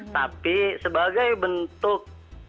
tapi sebagai bentuk